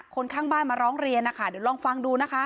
คนข้างบ้านมาร้องเรียนนะคะเดี๋ยวลองฟังดูนะคะ